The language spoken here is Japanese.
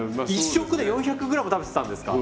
１食で４００ｇ食べてたんですか？